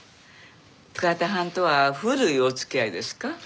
桑田はんとは古いお付き合いですか？